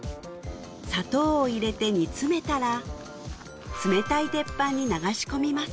砂糖を入れて煮詰めたら冷たい鉄板に流し込みます